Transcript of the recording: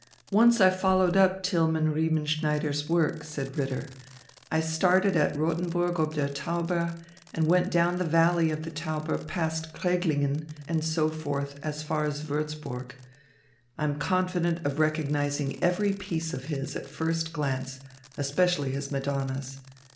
"Once I followed up Tillman Riemenschneider's works," said Ritter. "I started at Rothenburg ob der Tauber, and went down the valley of the Tauber past Kreglingen, and so forth, as far as Würzburg. I am confident of recognising every piece of his at first glance, especially his Madonnas.